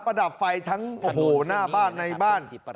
ระดับไฟทั้งโอ้โหหน้าบ้านในบ้าน